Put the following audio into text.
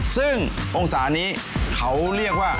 ซึ่งองศานี้เขาเรียกว่า